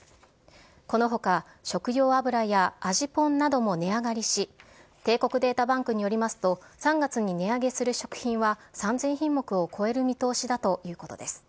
このほか、食用油や味ぽんなども値上がりし、帝国データバンクによりますと、３月に値上げする食品は３０００品目を超える見通しだということです。